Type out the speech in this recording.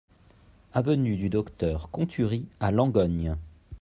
Avenue du Docteur Conturie à Langogne